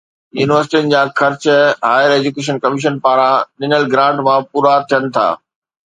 يونيورسٽين جا خرچ هائير ايجوڪيشن ڪميشن پاران ڏنل گرانٽ مان پورا ٿين ٿا